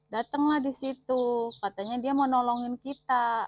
datenglah di situ katanya dia mau nolongin kita